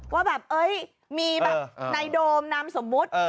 ว่าแบบเอ๊ยมีแบบในโดมนำสมมุติ